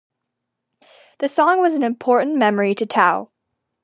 This song was an important memory to Tao.